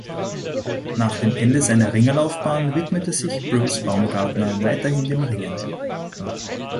Nach dem Ende seiner Ringerlaufbahn widmet sich Bruce Baumgartner weiterhin dem Ringen.